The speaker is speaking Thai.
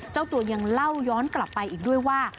เจ้าตัวยังเล่าย้อนกลับไปอีกด้วยว่า